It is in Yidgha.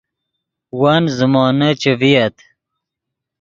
ون زیمونے چے ڤییت